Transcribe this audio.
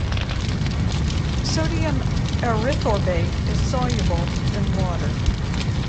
Sodium erythorbate is soluble in water.